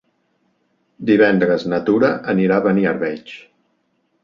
Divendres na Tura anirà a Beniarbeig.